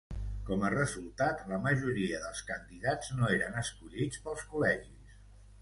Com a resultat, la majoria dels candidats no eren escollits pels col·legis.